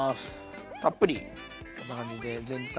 たっぷりこんな感じで全体に。